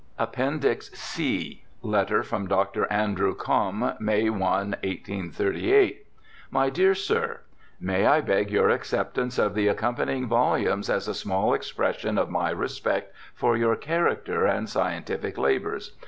Appendix C Letter from Dr. Andrew Combe, May i, 1838: 'My Dear Sir — May I beg your acceptance of the accompanying volumes as a small expression of my respect for your character and scientific labours.